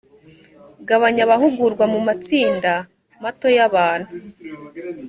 gabanya abahugurwa mu matsinda mato y abantu